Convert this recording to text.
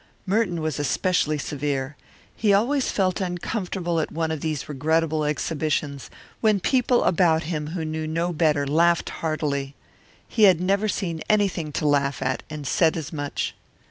Merton was especially severe. He always felt uncomfortable at one of these regrettable exhibitions when people about him who knew no better laughed heartily. He had never seen anything to laugh at, and said as much.